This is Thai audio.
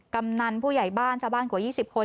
กำนันผู้ใหญ่บ้านชาวบ้านกว่า๒๐คน